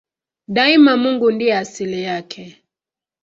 Daima Mungu ndiye asili yake.